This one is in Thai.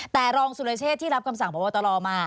แต่รองสุรเชษที่รับคำสั่งพบตรมา